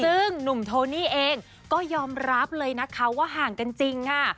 ซึ่งหนุ่มโทนี่เองก็ยอมรับเลยนะคะว่าห่างกันจริงค่ะ